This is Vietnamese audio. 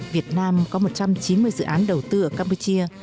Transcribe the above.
việt nam có một trăm chín mươi dự án đầu tư ở campuchia